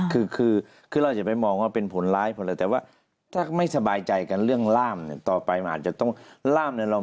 คือเราจะไปมองว่าเป็นผลร้ายให้ผล